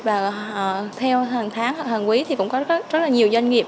và theo hàng tháng hàng quý thì cũng có rất là nhiều doanh nghiệp